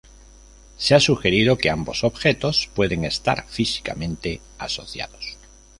Se ha sugerido que ambos objetos pueden estar físicamente asociados.